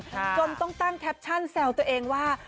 จนต้องตั้งแคปชั่นแซวตัวเองว่า